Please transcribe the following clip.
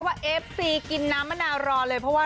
เอฟซีกินน้ำมะนาวรอเลยเพราะว่า